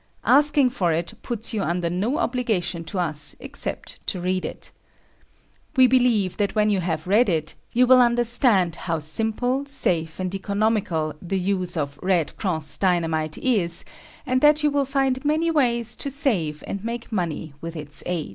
Asking for it puts you under no obligation to us except to read it. We believe that when you have read it you will understand how simple, safe and economical the use of "Red Cross" Dynamite is, and that you will find many ways to save and make money with its aid.